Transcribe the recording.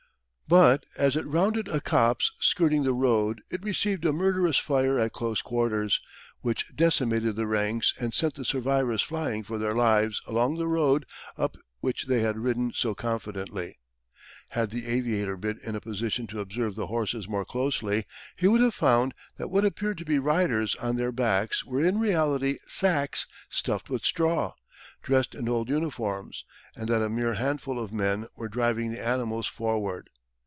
But as it rounded a copse skirting the road it received a murderous fire at close quarters, which decimated the ranks and sent the survivors flying for their lives along the road up which they had ridden so confidently. Had the aviator been in a position to observe the horses more closely, he would have found that what appeared to be riders on their backs were in reality sacks stuffed with straw, dressed in old uniforms, and that a mere handful of men were driving the animals forward.